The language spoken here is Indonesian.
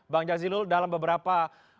bang jazilul dalam beberapa